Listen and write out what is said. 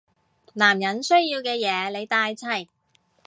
男人需要嘅嘢你帶齊